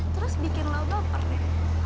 terus bikin lo doper ya